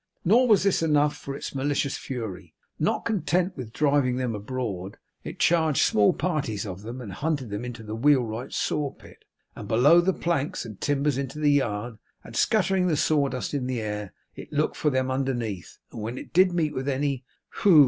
Nor was this enough for its malicious fury; for not content with driving them abroad, it charged small parties of them and hunted them into the wheel wright's saw pit, and below the planks and timbers in the yard, and, scattering the sawdust in the air, it looked for them underneath, and when it did meet with any, whew!